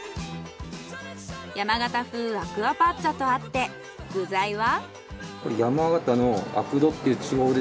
山形風アクアパッツァとあって具材は？